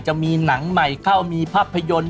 จะมีหนังใหม่เข้ามีภาพยนตร์